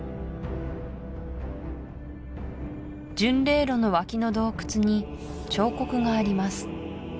巡礼路の脇の洞窟に彫刻があります